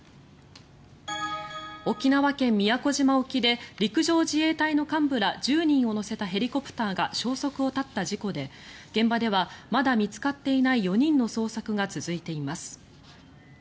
沖縄県・宮古島沖で陸上自衛隊の幹部ら１０人を乗せたヘリコプターが消息を絶った事故で現場ではまだ見つかっていない４人の捜索が続いています。